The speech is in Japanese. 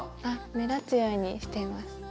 あ目立つようにしています。